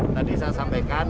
tadi saya sampaikan